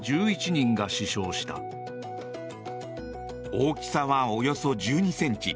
大きさは、およそ１２ｃｍ。